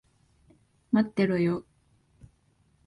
待ってろよ。